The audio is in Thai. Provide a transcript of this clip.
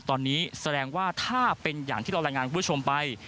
ตอนนี้แสดงว่าถ้าเป็นอย่างที่เรารายงานคุณผู้ชมไป